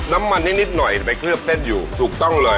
น้ำมันนิดหน่อยไปเคลือบเส้นอยู่ถูกต้องเลย